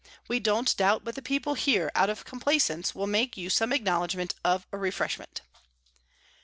We don't doubt but the People here out of Complaisance will make you some acknowledgment of a Refreshment.